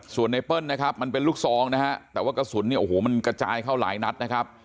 ส่วนไนเปิ้ลนะครับมันเป็นลูกซองนะฮะแต่ว่ากระสุนเนี่ยโอ้โหมันกระจายเข้าหลายนัดนะครับ